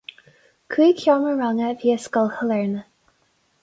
Cúig sheomra ranga a bhí i Scoil Shailearna.